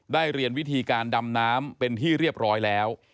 เรียนวิธีการดำน้ำเป็นที่เรียบร้อยแล้ว